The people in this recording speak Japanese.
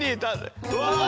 うわ！